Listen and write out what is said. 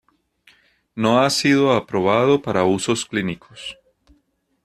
No ha sido aprobado para usos clínicos.